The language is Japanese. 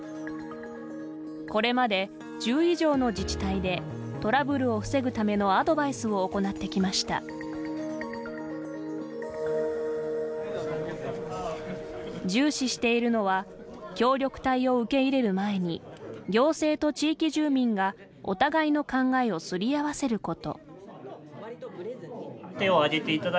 これまで１０以上の自治体でトラブルを防ぐためのアドバイスを行ってきました。重視しているのは協力隊を受け入れる前に行政と地域住民がお互いの考えをすり合わせること。